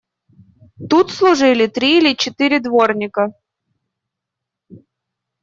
Тут служили три или четыре дворника.